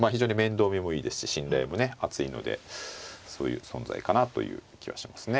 見もいいですし信頼もね厚いのでそういう存在かなという気はしますね。